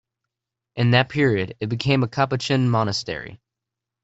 In that period it became a Capuchin monastery.